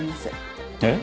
えっ？